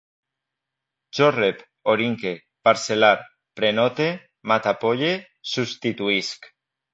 Jo rep, orinque, parcel·lar, prenote, matapolle, substituïsc